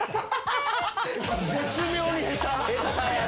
絶妙に下手。